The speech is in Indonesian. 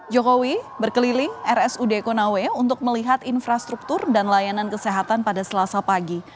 jokowi berkeliling rsud konawe untuk melihat infrastruktur dan layanan kesehatan pada selasa pagi